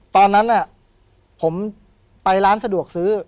ตอนนั้นผมไปร้านสะดวกซื้อ